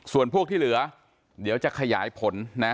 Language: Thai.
ส่วนพวกที่เหลือเดี๋ยวจะขยายผลนะ